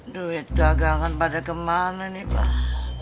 duit dagangan pada kemana nih pak